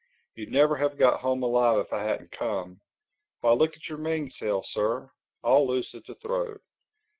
You'd never have got home alive if I hadn't come—Why look at your mainsail, Sir—all loose at the throat.